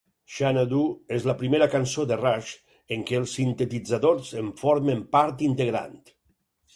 "Xanadu" és la primera cançó de Rush en què els sintetitzadors en formen part integrant.